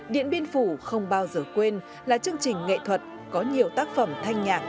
điện biên phủ không bao giờ quên là chương trình nghệ thuật có nhiều tác phẩm thanh nhạc